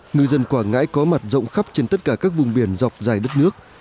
ngư dân quảng ngãi có mặt rộng khắp trên tất cả các vùng biển dọc dài đất nước